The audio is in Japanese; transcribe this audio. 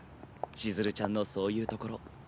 ちづるちゃんのそういうところ。